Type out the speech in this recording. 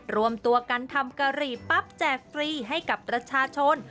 รวมตัวกันทำกะหรี่ปั๊บแจกฟรีให้กับประชาชน